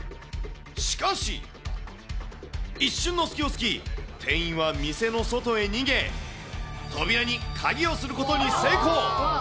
しかし、一瞬の隙をつき、店員は店の外へ逃げ、扉に鍵をすることに成功。